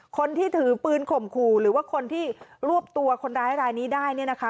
คนที่ถือปืนข่มขู่หรือว่าคนที่รวบตัวคนร้ายรายนี้ได้เนี่ยนะคะ